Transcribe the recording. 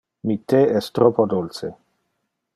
Mi the es troppo dulce.